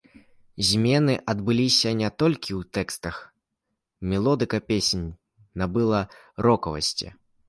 Змены адбыліся не толькі ў тэкстах, мелодыка песень набыла рокавасці.